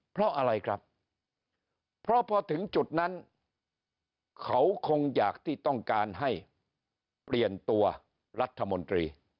เพราะอะไรครับเพราะพอถึงจุดนั้นเขาคงอยากที่ต้องการให้เปลี่ยนตัวรัฐมนตรี